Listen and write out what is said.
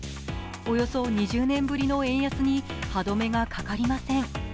およそ２０年ぶりの円安に歯止めがかかりません。